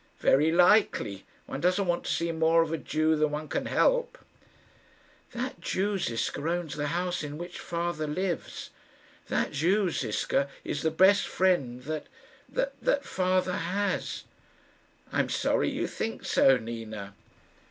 "Very likely. One doesn't want to see more of a Jew than one can help." "That Jew, Ziska, owns the house in which father lives. That Jew, Ziska, is the best friend that that that father has." "I'm sorry you think so, Nina."